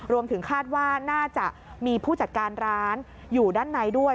รวมถึงคาดว่าน่าจะมีผู้จัดการร้านอยู่ด้านในด้วย